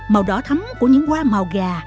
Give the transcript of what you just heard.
màu đỏ thấm của những hoa màu gà